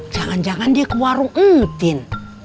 jangan jangan dia ke warung etin